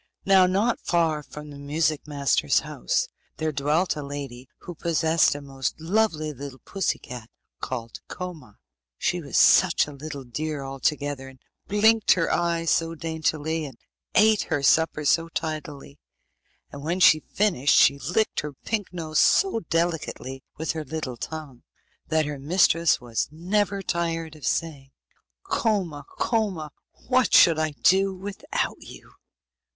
Now not far from the music master's house there dwelt a lady who possessed a most lovely little pussy cat called Koma. She was such a little dear altogether, and blinked her eyes so daintily, and ate her supper so tidily, and when she had finished she licked her pink nose so delicately with her little tongue, that her mistress was never tired of saying, 'Koma, Koma, what should I do without you?